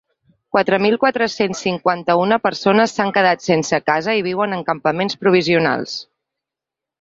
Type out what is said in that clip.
Quatre mil quatre-cents cinquanta-una persones s’han quedat sense casa i viuen en campaments provisionals.